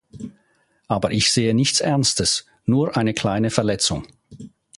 Aber ich sehe nichts Ernstes, nur eine kleine Verletzung.